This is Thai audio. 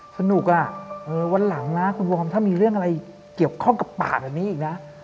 สนุกอ่ะวันหลังนะคุณวอร์มถ้ามีเรื่องอะไรเกี่ยวข้องกับป่าแบบนี้อีกนะ